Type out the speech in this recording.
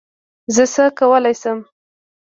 زه څه کولی شم؟